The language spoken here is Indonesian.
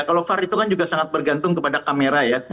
kalau var itu kan juga sangat bergantung kepada kamera ya